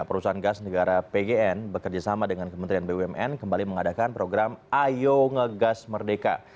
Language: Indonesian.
perusahaan gas negara pgn bekerjasama dengan kementerian bumn kembali mengadakan program ayo ngegas merdeka